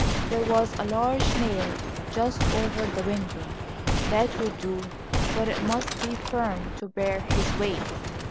There was a large nail just over the window. That would do; but it must be firm to bear his weight.